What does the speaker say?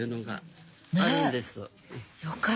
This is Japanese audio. よかった。